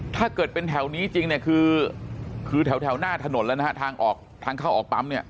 ถ้าเกิดเป็นแถวนี้จริงเนี่ยคือแถวหน้าถนนแล้วนะฮะทางออกทางเข้าออกปั๊มเนี่ย